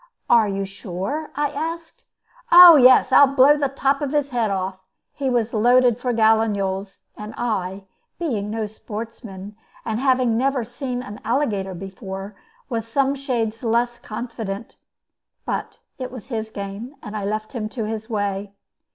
"Are you sure?" I asked. "Oh yes, I'll blow the top of his head off." He was loaded for gallinules, and I, being no sportsman, and never having seen an alligator before, was some shades less confident. But it was his game, and I left him to his way.